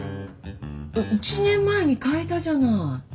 １年前に替えたじゃない。